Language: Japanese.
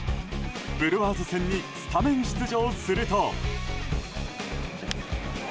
ブルワーズ戦にスタメン出場すると。